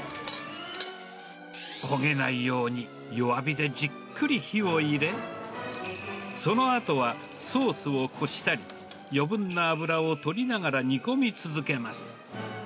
焦げないように、弱火でじっくり火を入れ、そのあとはソースをこしたり、余分な脂を取りながら煮込み続けます。